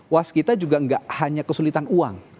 waskita juga gak hanya kesulitan uang